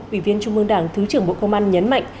ủy viên trung mương đảng thứ trưởng bộ công an nhấn mạnh